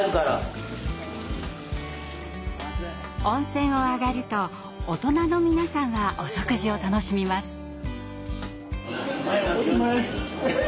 温泉を上がると大人の皆さんはお食事を楽しみます。